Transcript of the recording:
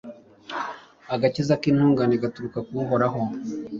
Agakiza k’intungane gaturuka kuri Uhoraho